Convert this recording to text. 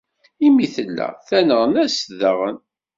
Imi tella d taneɣnast daɣen.